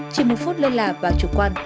chỉ một phút lên là và chủ quan